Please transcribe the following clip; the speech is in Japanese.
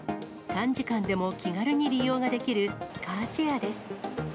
短時間でも気軽に利用ができるカーシェアです。